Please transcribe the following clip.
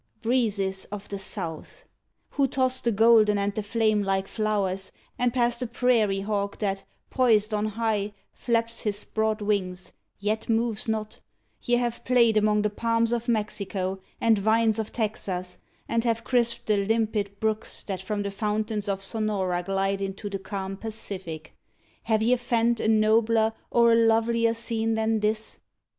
Breezes of the South! Who toss the golden and the flame like flowers, And pass the prairie hawk that, poised on high, Flaps his broad wings, yet moves not ye have played Among the palms of Mexico and vines Of Texas, and have crisped the limpid brooks That from the fountains of Sonora glide Into the calm Pacific have ye fanned A nobler or a lovelier scene than this?